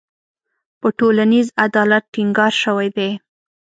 په ټولنیز عدالت ټینګار شوی دی.